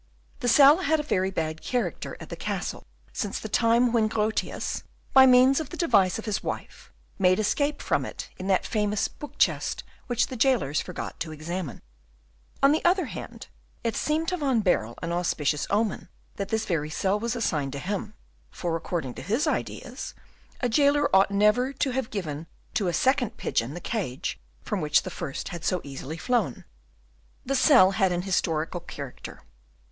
The cell had a very bad character at the castle since the time when Grotius, by means of the device of his wife, made escape from it in that famous book chest which the jailers forgot to examine. On the other hand, it seemed to Van Baerle an auspicious omen that this very cell was assigned to him, for according to his ideas, a jailer ought never to have given to a second pigeon the cage from which the first had so easily flown. The cell had an historical character.